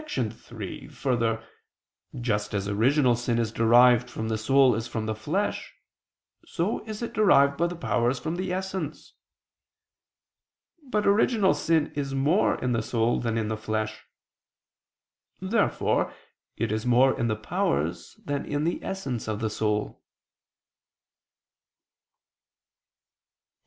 3: Further, just as original sin is derived from the soul as from the flesh, so is it derived by the powers from the essence. But original sin is more in the soul than in the flesh. Therefore it is more in the powers than in the essence of the soul. Obj.